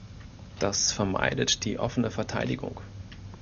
Das vermeidet die Offene Verteidigung.